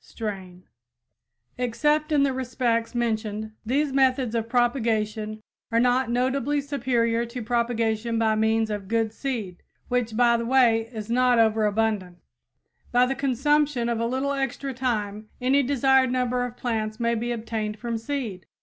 [Illustration: Marker for Hotbeds and Cold Frames] Except in the respects mentioned, these methods of propagation are not notably superior to propagation by means of good seed, which, by the way, is not overabundant. By the consumption of a little extra time, any desired number of plants may be obtained from seed.